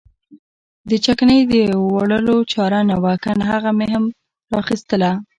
د چکنۍ د وړلو چاره نه وه کنه هغه مې هم را اخیستله.